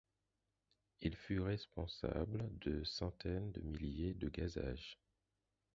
Il fut responsable de centaines de milliers de gazages.